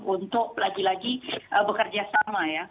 untuk lagi lagi bekerja sama ya